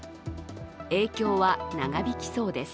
影響は長引きそうです。